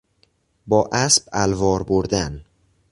با اسب الوار بردن